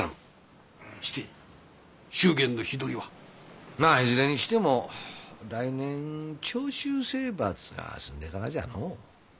して祝言の日取りは？まあいずれにしても来年長州征伐が済んでからじゃのう。